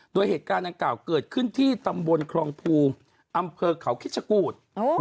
โดยเหตุการณ์ดังกล่าวเกิดขึ้นที่ตำบลครองภูอำเภอเขาคิชกูธ